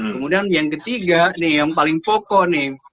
kemudian yang ketiga nih yang paling pokok nih